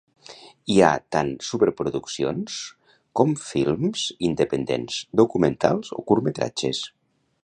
Hi ha tant superproduccions com films independents, documentals o curtmetratges.